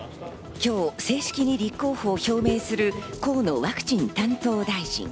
今日正式に立候補を表明する河野ワクチン担当大臣。